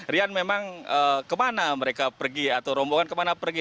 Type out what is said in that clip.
rian memang kemana mereka pergi atau rombongan kemana pergi